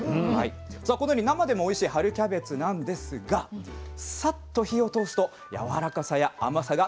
さあこのように生でもおいしい春キャベツなんですがさっと火を通すとやわらかさや甘さがぐっと引き立つんです。